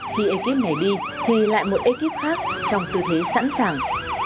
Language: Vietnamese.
khi ekip này đi thì lại một ekip khác trong tư thế sẵn sàng